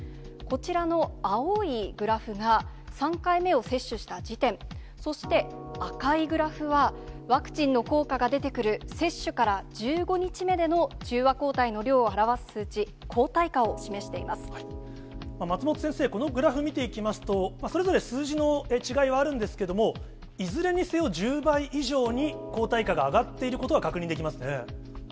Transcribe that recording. こちらの青いグラフが３回目を接種した時点、そして赤いグラフは、ワクチンの効果が出てくる、接種から１５日目での中和抗体の量を表す数値、抗体価を示してい松本先生、このグラフ見ていきますと、それぞれ数字の違いはあるんですけれども、いずれにせよ、１０倍以上に抗体価が上がっていることが確認できますね。